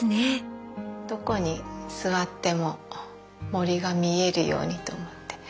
どこに座っても森が見えるようにと思って。